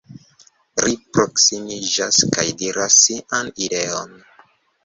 Ri proksimiĝas, kaj diras sian ideon: